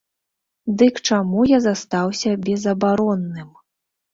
Дык чаму я застаўся безабаронным?